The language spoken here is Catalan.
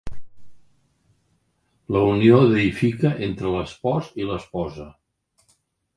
La unió deífica entre l'espòs i l'esposa.